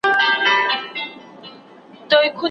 رښتیني اسناد د څېړونکي په کار کې مرسته کوي.